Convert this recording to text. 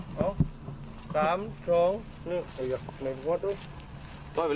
อีกคนหนึ่งอีกคนหนึ่ง